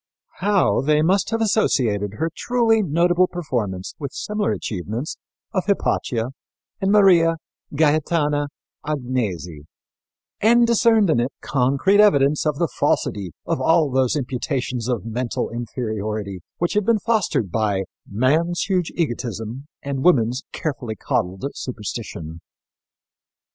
How they must have associated her truly notable performance with similar achievements of Hypatia and Maria Gaetana Agnesi and discerned in it concrete evidence of the falsity of all those imputations of mental inferiority which had been fostered by "man's huge egotism and woman's carefully coddled superstition."